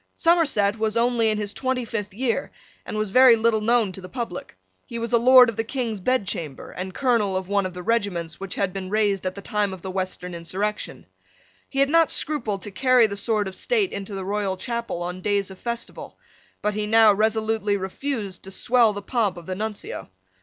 Somerset was only in his twenty fifth year, and was very little known to the public, He was a Lord of the King's Bedchamber, and colonel of one of the regiments which had been raised at the time of the Western insurrection. He had not scrupled to carry the sword of state into the royal chapel on days of festival: but he now resolutely refused to swell the pomp of the Nuncio.